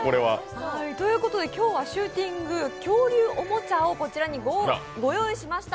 今日は「シューティング恐竜おもちゃ」をこちらにご用意しました。